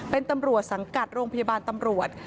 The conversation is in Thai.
เป็นตำรวจสังกัดโรงพยาบาลตำรวจ